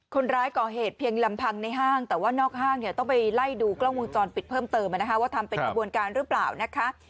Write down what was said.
คนร้ายก่อเหตุเพียงลำพังในห้างแต่ว่านอกห้างเนี่ยต้องไปไล่ดูกล้องวงจรปิดเพิ่มเติมนะคะว่าทำเป็นขบวนการหรือเปล่านะคะ